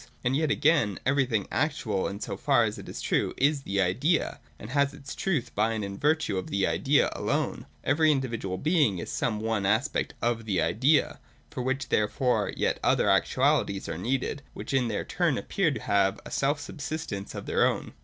And yet, again, everything actual, in so far as it is true, is the Idea, and has its truth by and in virtue of the Idea alone. Every individual being is some one aspect of the Idea: for 213 J THE IDEA. 353 which, therefore, yet other actuaHties are needed, which in their turn appear to have a self subsistence of their own.